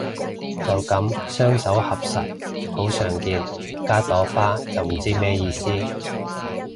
就噉雙手合十好常見，加朵花就唔知咩意思